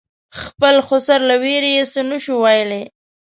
خپل خسر له وېرې یې څه نه شو ویلای.